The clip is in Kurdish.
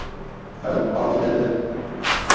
Ew arode dibin.